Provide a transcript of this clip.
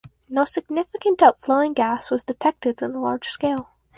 No significant outflowing gas was detected in the large scale.